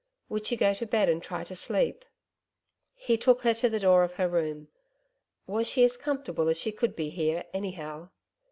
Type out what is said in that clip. Would she go to bed and try to sleep.... He took her to the door of her room .... Was she as comfortable as she could be here, anyhow?